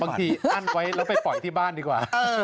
อั้นไว้แล้วไปปล่อยที่บ้านดีกว่า